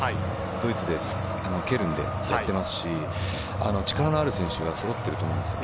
ドイツでケルンでやっていますし力のある選手が揃っていると思うんです。